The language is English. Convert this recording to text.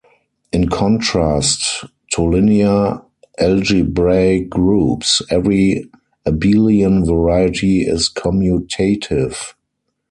In contrast to linear algebraic groups, every abelian variety is commutative.